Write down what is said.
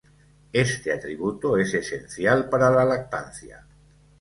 Este atributo es esencial para la lactancia.